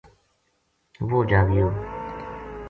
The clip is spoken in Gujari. وہ جاگیو